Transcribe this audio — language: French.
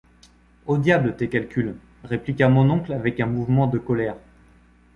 Au diable tes calculs ! répliqua mon oncle avec un mouvement de colère.